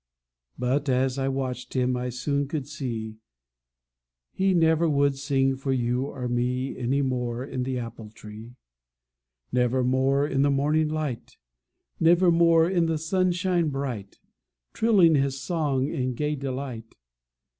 But as I watched him I soon could see He never would sing for you or me Any more in the apple tree. Never more in the morning light, Never more in the sunshine bright, Trilling his song in gay delight.